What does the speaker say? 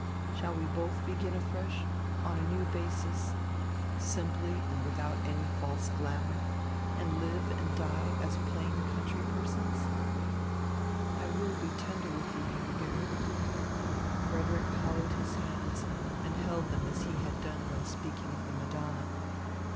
Shall we both begin afresh, on a new basis, simply and without any false glamour, and live and die as plain country persons? I will be tender with you, Ingigerd." Frederick hollowed his hands and held them as he had done when speaking of the Madonna.